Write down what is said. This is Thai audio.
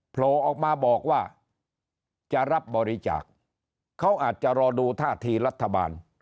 โผล่ออกมาบอกว่าจะรับบริจาคเขาอาจจะรอดูท่าทีรัฐบาล